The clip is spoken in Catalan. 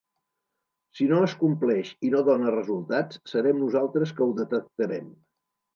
Si no es compleix i no dóna resultats serem nosaltres que ho detectarem.